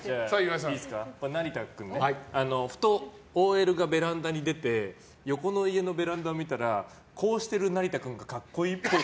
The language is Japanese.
成田君ふとＯＬがベランダに出て横の家のベランダを見たらこうしてる成田君が格好いいっぽい。